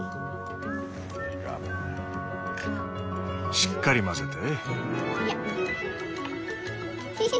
しっかり混ぜて。